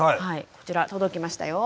こちら届きましたよ。